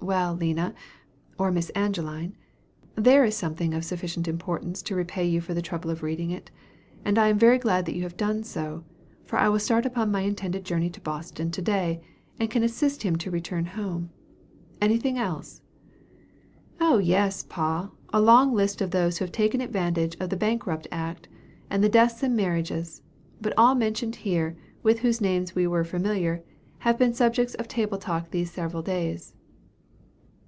"Well, Lina, or Miss Angeline, there is something of sufficient importance to repay you for the trouble of reading it, and I am very glad that you have done so for I will start upon my intended journey to Boston to day, and can assist him to return home. Anything else?" "Oh, yes, pa! a long list of those who have taken advantage of the Bankrupt Act, and the Deaths and Marriages; but all mentioned here, with whose names we were familiar, have been subjects for table talk these several days."